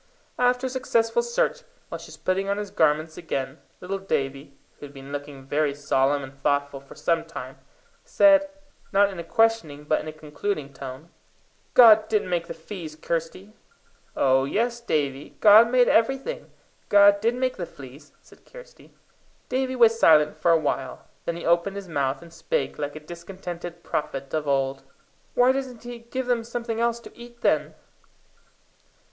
After a successful search, while she was putting on his garments again, little Davie, who had been looking very solemn and thoughtful for some time, said, not in a questioning, but in a concluding tone "God didn't make the fees, Kirsty!" "Oh yes, Davie! God made everything. God did make the fleas," said Kirsty. Davie was silent for a while. Then he opened his mouth and spake like a discontented prophet of old: "Why doesn't he give them something else to eat, then?"